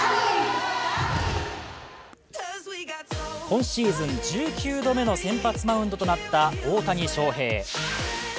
今シーズン１９度目の先発マウンドとなった大谷翔平。